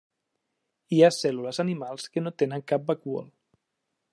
Hi ha cèl·lules animals que no tenen cap vacúol.